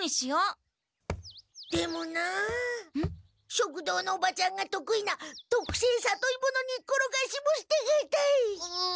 食堂のおばちゃんが得意なとくせいさといものにっころがしもすてがたい。